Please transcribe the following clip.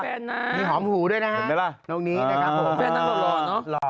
ไฟนน้ำออกหลอนเนอะ